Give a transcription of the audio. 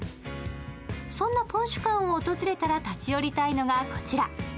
そんなぽんしゅ館を訪れたら立ち寄りたいのがこちら。